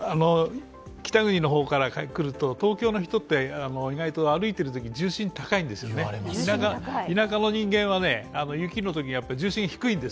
北国から来ると、東京の人って、意外と歩いているときに重心高いんですよね、田舎の人間は雪のときって重心低いんです。